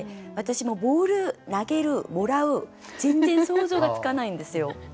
私もうボール投げるもらう全然想像がつかないんですよ。